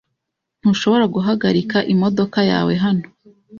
Ntushobora guhagarika imodoka yawe hano .